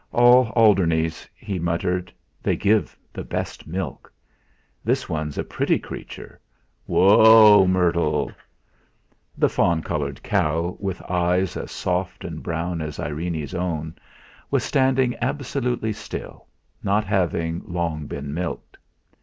"All Alderneys," he muttered; "they give the best milk. This one's a pretty creature. Woa, Myrtle!" The fawn coloured cow, with eyes as soft and brown as Irene's own, was standing absolutely still, not having long been milked.